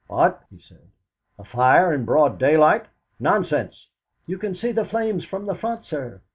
"What?" he said. "A fire in broad daylight! Nonsense!" "You can see the flames from the front, sir."